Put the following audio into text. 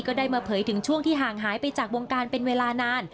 ก็ได้มาเผยถึงช่วงที่ห่างหายไปจากวงการเป็นเวลานาน